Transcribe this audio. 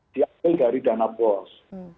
dianjur dari dana bos